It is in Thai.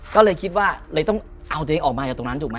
ก็เลยคิดว่าเลยต้องเอาตัวเองออกมาจากตรงนั้นถูกไหม